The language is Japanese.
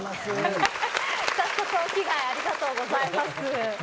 早速、お着替えありがとうございます。